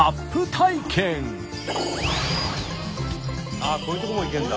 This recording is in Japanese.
あっこういうとこも行けるんだ。